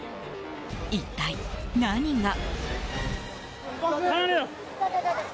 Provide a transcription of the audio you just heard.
一体、何が。